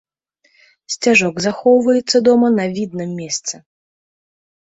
Сцяжок захоўваецца дома на відным месцы.